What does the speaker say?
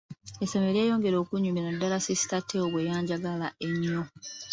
Essomero lyeyongera okunnyumira, naddala sisita Teo bwe yanjagala ennyo.